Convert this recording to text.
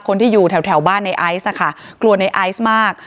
คนที่อยู่แถวบ้านในไอซ์อะค่ะกลัวในไอซ์มาก